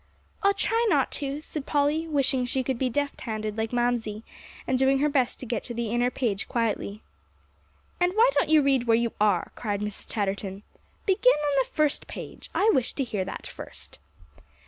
"I'll try not to," said Polly, wishing she could be deft handed like Mamsie, and doing her best to get to the inner page quietly. "And why don't you read where you are?" cried Mrs. Chatterton. "Begin on the first page. I wish to hear that first."